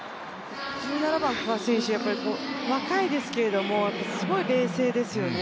１７番・古賀選手、若いですけれども、すごい冷静ですよね。